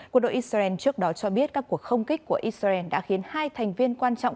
quân đội israel trước đó cho biết các cuộc không kích của israel đã khiến hai thành viên quan trọng